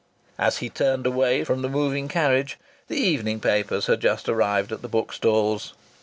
As he turned away from the moving carriage the evening papers had just arrived at the bookstalls.